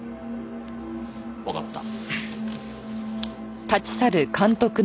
わかった。